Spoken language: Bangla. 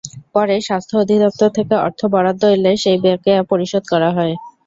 পরে স্বাস্থ্য অধিদপ্তর থেকে অর্থ বরাদ্দ এলে সেই বকেয়া পরিশোধ করা হয়।